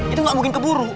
itu gak mungkin keburu